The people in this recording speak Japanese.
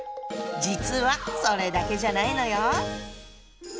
実はそれだけじゃないのよ。